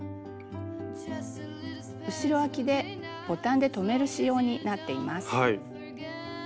後ろあきでボタンで留める仕様になっています。